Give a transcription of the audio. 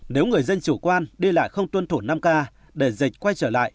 nếu người dân chủ quan đi lại không tuân thủ năm k để dịch quay trở lại